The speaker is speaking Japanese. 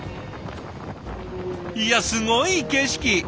いやすごい景色！